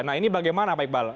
nah ini bagaimana pak iqbal